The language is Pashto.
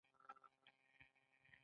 غم هم د ژوند برخه ده